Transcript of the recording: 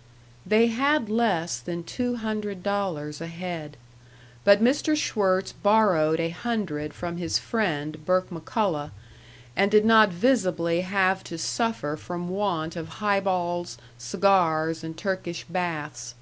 § 3 They had less than two hundred dollars ahead. But Mr. Schwirtz borrowed a hundred from his friend, Burke McCullough, and did not visibly have to suffer from want of highballs, cigars, and Turkish baths.